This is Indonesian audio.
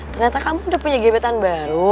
ternyata kamu udah punya jabatan baru